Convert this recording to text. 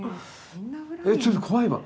えちょっと怖いわ。